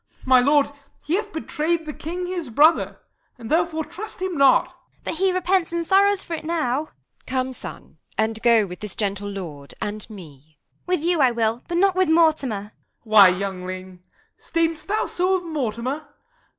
My lord, he hath betray'd the king his brother, And therefore trust him not. P. Edw. But he repents, and sorrows for it now. Q. Isab. Come, son, and go with this gentle lord and me. P. Edw. With you I will, but not with Mortimer. Y. Mor. Why, youngling, 'sdain'st thou so of Mortimer?